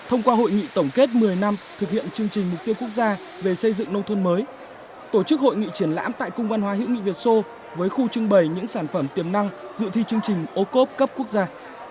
thông qua hội nghị tổng kết một mươi năm thực hiện chương trình mục tiêu quốc gia về xây dựng nông thôn mới tổ chức hội nghị triển lãm tại cung văn hóa hữu nghị việt sô với khu trưng bày những sản phẩm tiềm năng dự thi chương trình ô cốp cấp quốc gia